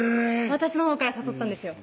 私のほうから誘ったんですよ